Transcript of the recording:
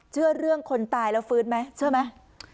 เชื่อเรื่องคนตายแล้วฟื้นไหมเชื่อไหม